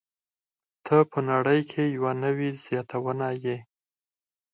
ته په نړۍ کې یوه نوې زياتونه يې.